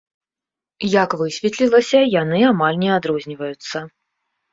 Як высветлілася, яны амаль не адрозніваюцца.